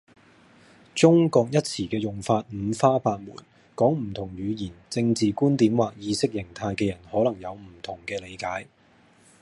「中國」一詞嘅用法五花八門，講唔同語言，政治觀點或意識形態嘅人可能有唔同嘅理解